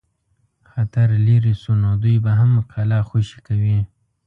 خطر لیري شو نو دوی به هم قلا خوشي کوي.